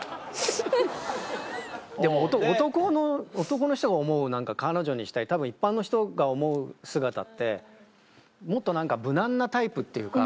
でも男の人が思う彼女にしたいたぶん一般の人が思う姿ってもっと何か無難なタイプっていうか。